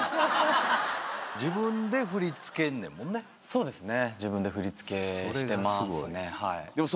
そうですね。